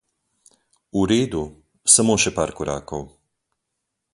V redu, samo še par korakov.